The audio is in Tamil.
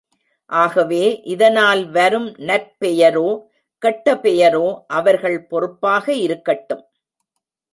ஆகவே, இதனால் வரும் நற்பெயரோ கெட்ட பெயரோ அவர்கள் பொறுப்பாக இருக்கட்டும்.